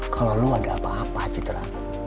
kalau lo ada apa apa citra